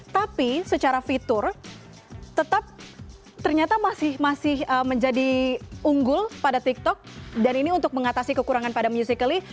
tapi secara fitur tetap ternyata masih menjadi unggul pada tiktok dan ini untuk mengatasi kekurangan pada musically